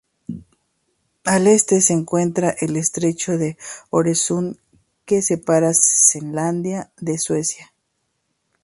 Al este se encuentra el estrecho de Øresund, que separa Selandia de Suecia.